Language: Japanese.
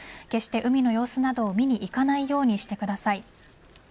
決して海の様子などを見に行かないようにしてください。